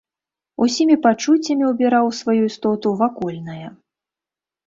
Усімі пачуццямі ўбіраў у сваю істоту вакольнае.